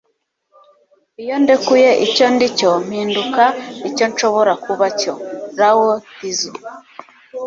iyo ndekuye icyo ndi cyo, mpinduka icyo nshobora kuba cyo. - lao tzu